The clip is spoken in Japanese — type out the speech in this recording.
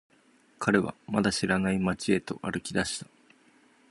彼はまだ知らない街へと歩き出した。